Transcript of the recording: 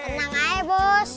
tenang aja bos